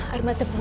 air mata gue